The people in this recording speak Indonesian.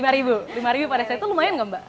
lima ribu pada saat itu lumayan gak mbak